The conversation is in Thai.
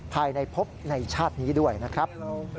ภายในพบในชาตินี้ด้วยนะครับ